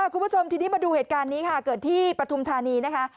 คุณผู้ชมทีนี้มาดูเหตุการณ์นี้ค่ะเกิดที่ปฐุมธานีนะคะ